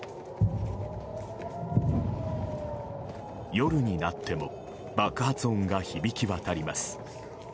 夜になっても爆発音が響き渡ります。